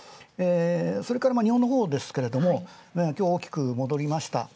それから日本のほうですけれど、今日大きく戻りました。